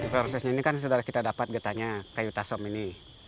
prosesnya ini kan sudah kita dapat getahnya kayu tasom ini